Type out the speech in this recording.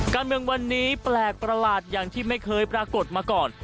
การเมืองวันนี้แปลกประหลาดอย่างที่ไม่เคยปรากฏมาก่อน